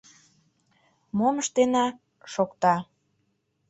— Мом ыштена? — шокта.